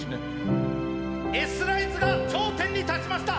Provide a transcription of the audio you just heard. Ｓライズが頂点に立ちました！